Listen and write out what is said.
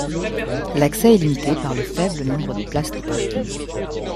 L'accès est limité par le faible nombre de place de parking.